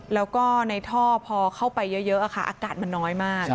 แล้วก็ในท่อพอเข้าไปเยอะอากาศมันน้อยมาก